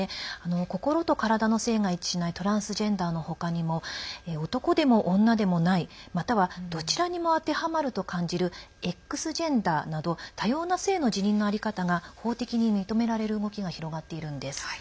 心と体の性が一致しないトランスジェンダーの他にも男でも女でもない、またはどちらにもあてはまると感じるＸジェンダーなど多様な性の自認の在り方が法的に認められる動きが広がっているんです。